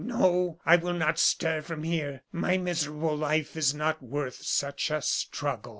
No, I will not stir from here. My miserable life is not worth such a struggle."